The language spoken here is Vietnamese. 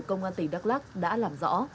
công an tỉnh đắk lắc đã làm rõ